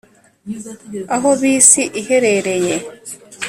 aho bisi iherereye?